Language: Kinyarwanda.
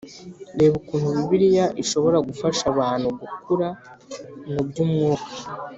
Reba ukuntu Bibiliya ishobora gufasha abantu gukura muby’umwuka